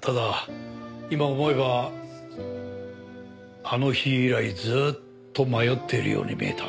ただ今思えばあの日以来ずっと迷っているように見えた。